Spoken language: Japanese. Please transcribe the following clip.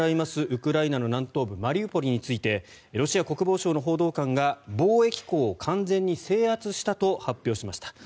ウクライナの南東部マリウポリについてロシア国防省の報道官が貿易港を完全に制圧したと発表しました。